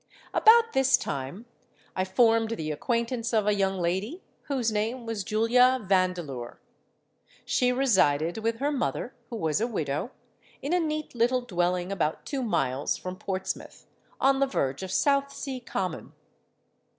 About this time I formed the acquaintance of a young lady, whose name was Julia Vandeleur. She resided with her mother, who was a widow, in a neat little dwelling about two miles from Portsmouth, on the verge of South sea common.